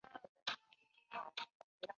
有牡丹虾